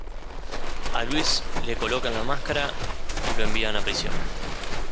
A Luis le colocan la máscara y lo envían a prisión.